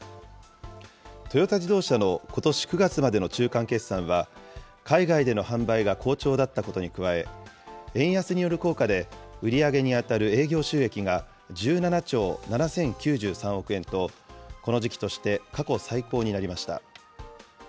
トヨタ自動車のことし９月までの中間決算は、海外での販売が好調だったことに加え、円安による効果で、売り上げに当たる営業収益が１７兆７０９３億円と、この時期として過去最高になりました。